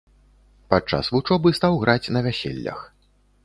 Падчас вучобы стаў граць на вяселлях.